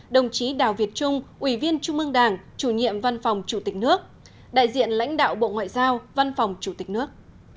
đồng chí đào việt trung ủy viên trung ương đảng chủ nhiệm văn phòng chủ tịch nước đại diện lãnh đạo bộ ngoại giao văn phòng chủ tịch nước